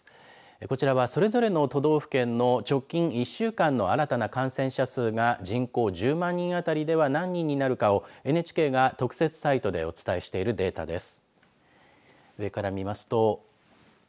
こちらはそれぞれの都道府県の直近１週間の新たな感染者数が人口１０万人当たりでは何人になるかをＮＨＫが特設サイトでお伝えしているデータです。